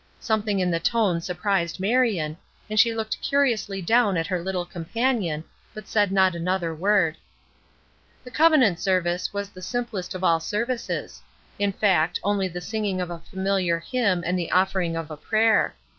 Something in the tone surprised Marion, and she looked curiously down at her little companion, but said not another word. The covenant service was the simplest of all services; in fact, only the singing of a familiar hymn and the offering of a prayer.